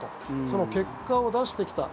その結果を出してきた。